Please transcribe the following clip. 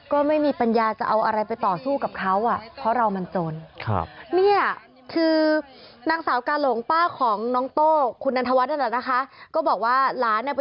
ก็ไม่มีปัญญาจะเอาอะไรไปต่อสู้กับเขา